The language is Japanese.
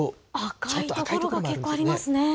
赤い所が結構ありますね。